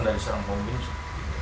dari seorang pembimbing